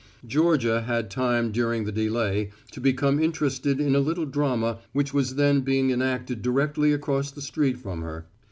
Georgia had time during the delay to become interested in a little drama which was then being enacted directly across the street from her.